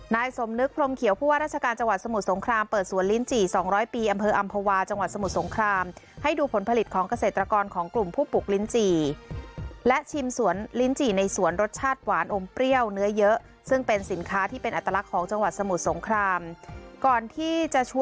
นายสมนึกพรมเขียวผู้ว่าราชการจังหวัดสมุทรสงครามเปิดสวนลิ้นจี่๒๐๐ปีอำเภออำภาวาจังหวัดสมุทรสงครามให้ดูผลผลิตของเกษตรกรของกลุ่มผู้ปลูกลิ้นจี่และชิมสวนลิ้นจี่ในสวนรสชาติหวานอมเปรี้ยวเนื้อเยอะซึ่งเป็นสินค้าที่เป็นอัตลักษณ์ของจังหวัดสมุทรสงครามก่อนที่จะช